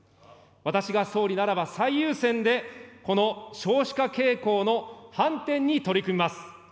私が総理ならば、最優先でこの少子化傾向の反転に取り組みます。